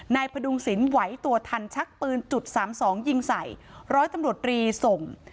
พดุงศิลป์ไหวตัวทันชักปืนจุดสามสองยิงใส่ร้อยตำรวจรีส่ง